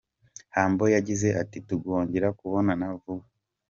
Humble yagize ati: “Tuzongera kubonana vuba”.